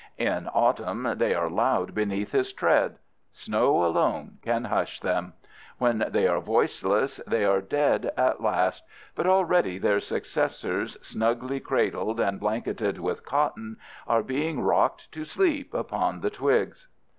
In autumn they are loud beneath his tread. Snow alone can hush them. When they are voiceless they are dead at last, but already their successors, snugly cradled and blanketed with cotton, are being rocked to sleep upon the twigs.